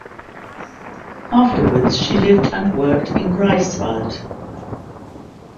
Afterwards she lived and worked in Greifswald.